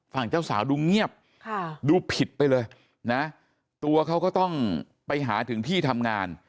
เจ้าสาวดูเงียบดูผิดไปเลยนะตัวเขาก็ต้องไปหาถึงที่ทำงาน